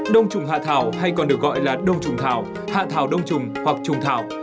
đồng trùng hạ thảo hay còn được gọi là đồng trùng thảo hạ thảo đồng trùng hoặc trùng thảo